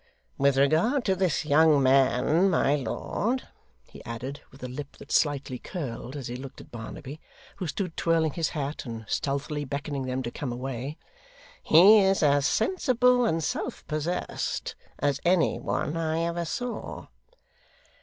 With regard to this young man, my lord,' he added, with a lip that slightly curled as he looked at Barnaby, who stood twirling his hat, and stealthily beckoning them to come away, 'he is as sensible and self possessed as any one I ever saw.